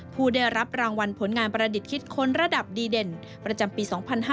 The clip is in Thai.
ผู้ได้รับรางวัลผลงานประดิษฐ์คิดค้นระดับดีเด่นประจำปี๒๕๕๙